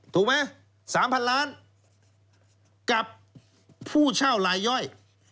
ถูกไหม๓๐๐๐ล้านกับผู้เช่าลายย่อย